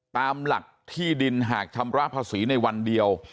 ตามหลักที่ดินหากชำระภาษีในวันเดียว